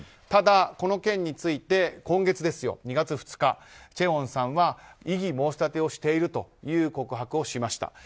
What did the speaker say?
ただ、この件について今月２月２日チェウォンさんは異議申し立てをしているという告白をしました。